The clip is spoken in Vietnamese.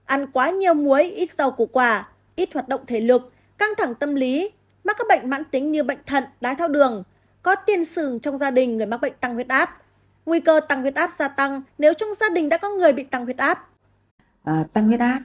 ăn quá nhiều muối ít dầu củ quả ít hoạt động thể lực căng thẳng tâm lý mắc các bệnh mãn tính như bệnh thận đáy thao đường có tiền xửng trong gia đình người mắc bệnh tăng nguyệt áp